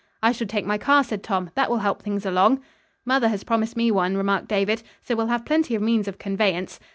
"I shall take my car," said Tom. "That will help things along." "Mother has promised me one," remarked David, "so we'll have plenty of means of conveyance.